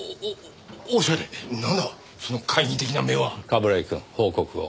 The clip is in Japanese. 冠城くん報告を。